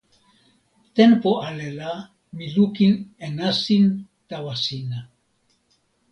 tenpo ale la mi lukin e nasin tawa sina.